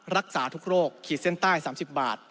รักษาทุกโรคขีดเส้นใต้๓๐บาท